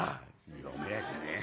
「読めやしねえ。